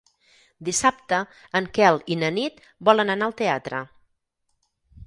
Dissabte en Quel i na Nit volen anar al teatre.